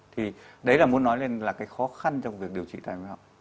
thì đấy là muốn nói lên là cái khó khăn trong việc điều trị tai mũi họng